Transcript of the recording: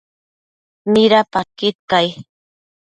Midapadquid cai?